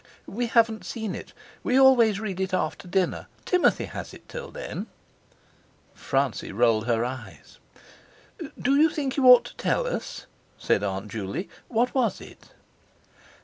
"We haven't seen it, we always read it after dinner; Timothy has it till then." Francie rolled her eyes. "Do you think you ought to tell us?" said Aunt Juley. "What was it?"